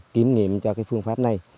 kiếm nghiệm cho cái phương pháp này